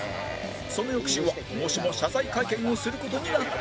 その翌週はもしも謝罪会見をする事になったら